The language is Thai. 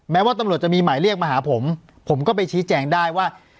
แม้ว่าตำรวจจะมีหมายเรียกมาหาผมผมก็ไปชี้แจงได้ว่า